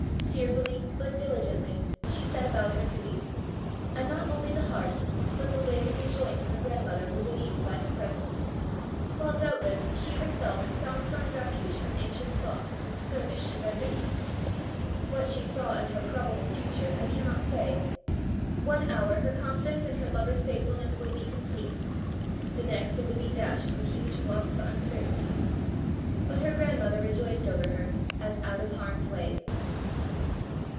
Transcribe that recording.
Tearfully but diligently she set about her duties; and not only the heart, but the limbs and joints of her grandmother were relieved by her presence; while doubtless she herself found some refuge from anxious thought in the service she rendered. What she saw as her probable future, I cannot say; one hour her confidence in her lover's faithfulness would be complete, the next it would be dashed with huge blots of uncertainty; but her grandmother rejoiced over her as out of harm's way.